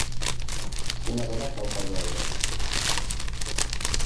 Una dona cau pels aires.